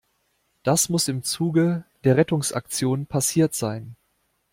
Das muss im Zuge der Rettungsaktion passiert sein.